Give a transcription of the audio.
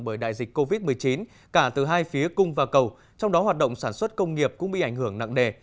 bởi đại dịch covid một mươi chín cả từ hai phía cung và cầu trong đó hoạt động sản xuất công nghiệp cũng bị ảnh hưởng nặng nề